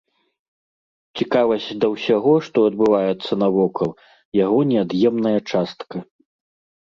Цікавасць да ўсяго, што адбываецца навокал, яго неад'емная частка.